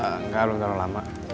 enggak belum terlalu lama